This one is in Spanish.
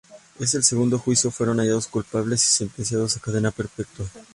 En el segundo juicio fueron hallados culpables y sentenciados a cadena perpetua.